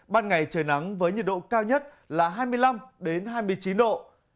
ban ngày trời nắng với nhiệt độ cao nhất là hai mươi năm hai mươi chín độ